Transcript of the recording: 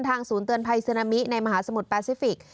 ศูนย์เตือนภัยซึนามิในมหาสมุทรแปซิฟิกส